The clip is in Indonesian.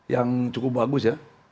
yang cukup bagus ya